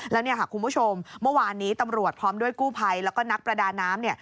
แล้วเนี่ยค่ะคุณผู้ชมเมื่อวานนี้ตำรวจพร้อมด้วยกู้ภัยแล้วก็นักประดาน้ำ